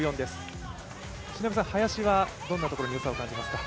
林はどんなところによさを感じますか？